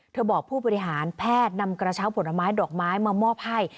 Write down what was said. บอกผู้บริหารแพทย์นำกระเช้าผลไม้ดอกไม้มามอบให้